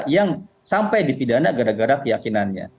yang sampai dipidana gara gara keyakinannya